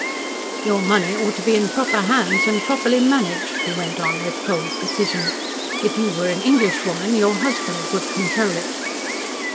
"Your money ought to be in proper hands and properly managed," he went on with cold precision. "If you were an English woman, your husband would control it."